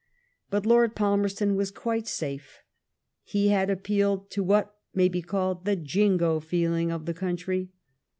But Lord Pal merston was quite safe. He had appealed to what may be called the Jingo feeling of the coun try.